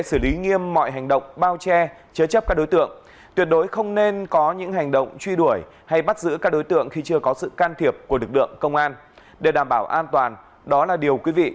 xin chào và hẹn gặp lại